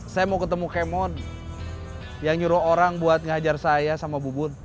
saya mau ketemu kemon yang nyuruh orang buat ngajar saya sama bubun